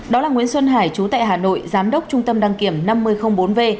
đó là nguyễn xuân hải chú tại hà nội giám đốc trung tâm đăng kiểm năm mươi bốn v